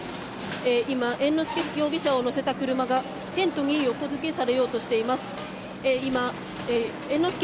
今、猿之助容疑者を乗せた車がテントに横付けされようとしています。